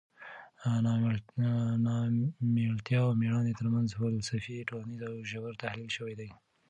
نامېړتیا او مېړانې ترمنځ فلسفي، ټولنیز او ژور تحلیل شوی دی.